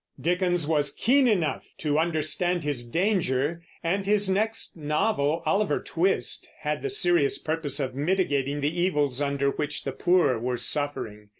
Dickens was keen enough to understand his danger, and his next novel, Oliver Twist, had the serious purpose of mitigating the evils under which the poor were suffering.